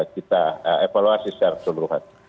kita evaluasi secara seluruhan